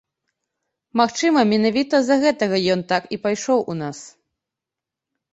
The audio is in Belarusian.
Магчыма, менавіта з-за гэтага ён так і пайшоў у нас.